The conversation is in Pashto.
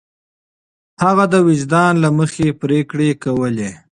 هغه د وجدان له مخې پرېکړې کولې.